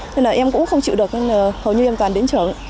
thế là em cũng không chịu được hầu như em toàn đến chợ